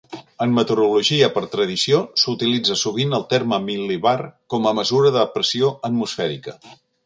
En meteorologia, per tradició, s'utilitza sovint el terme mil·libar com a mesura de pressió atmosfèrica.